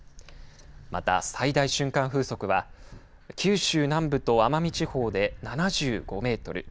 また、最大瞬間風速は九州南部と奄美地方で７５メートル